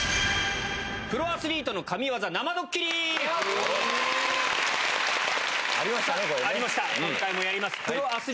プロアスリートの神業生ドッキリ。